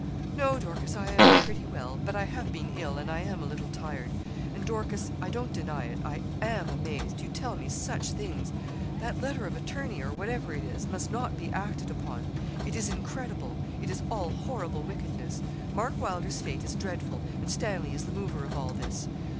'No, Dorcas, I am pretty well; but I have been ill, and I am a little tired; and, Dorcas, I don't deny it, I am amazed, you tell me such things. That letter of attorney, or whatever it is, must not be acted upon. It is incredible. It is all horrible wickedness. Mark Wylder's fate is dreadful, and Stanley is the mover of all this.